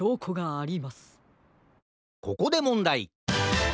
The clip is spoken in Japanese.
ここでもんだい。